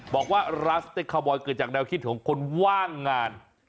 บอกว่าร้านสเต็กคาวบอยเกิดจากแนวคิดของคนว่างงาน